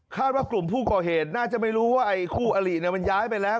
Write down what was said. ว่ากลุ่มผู้ก่อเหตุน่าจะไม่รู้ว่าไอ้คู่อลิมันย้ายไปแล้ว